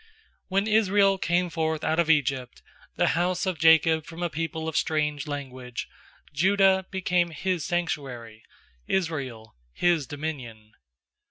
When Israel came forth out of Egypt, The house of Jacob from a people of strange language; 2Judah became His sanctuary, Israel His dominion.